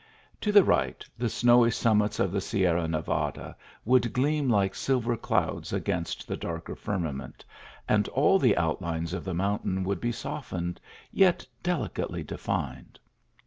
To the right, the snowy sum mits of the Sierra Nevada would gleam like silver clouds against the darker firmament, and all the outlines of the mountain would be softened, yet deli cately defined.